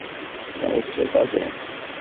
তুমি অবশ্যই পাবে।